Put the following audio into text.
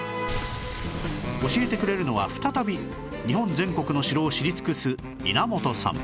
教えてくれるのは再び日本全国の城を知り尽くすいなもとさん